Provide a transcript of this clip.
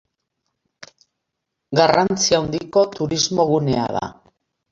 Garrantzi handiko turismo gunea da.